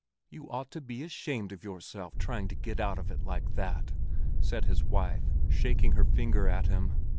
"You ought to be ashamed of yourself, trying to get out of it like that," said his wife, shaking her finger at him.